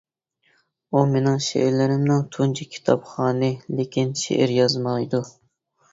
ئۇ مېنىڭ شېئىرلىرىمنىڭ تۇنجى كىتابخانى، لېكىن شېئىر يازمايدۇ.